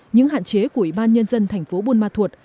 những hạn chế của ủy ban nhân dân thành phố buôn ma thuột